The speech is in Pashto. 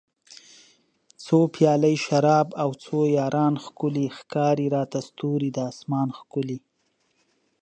څو پیالۍ شراب او څو یاران ښکلي ښکاري راته ستوري د اسمان ښکلي